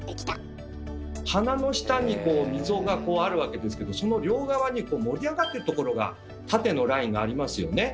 鼻の下に溝があるわけですけどその両側にこう盛り上がってるところが縦のラインがありますよね。